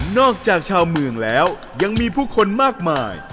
จากชาวเมืองแล้วยังมีผู้คนมากมาย